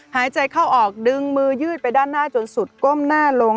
หายใจเข้าออกดึงมือยืดไปด้านหน้าจนสุดก้มหน้าลง